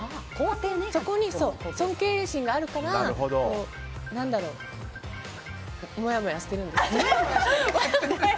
そこに尊敬心があるからもやもやしてるんです。